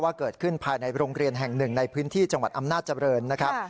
เกิดขึ้นภายในโรงเรียนแห่งหนึ่งในพื้นที่จังหวัดอำนาจเจริญนะครับ